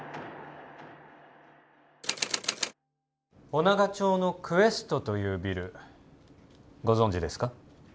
尾長町のクエストというビルご存じですか？